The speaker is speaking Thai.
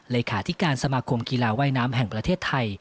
เลขาธิการสมาคมกีฬาว่ายน้ำแห่งประเทศไทย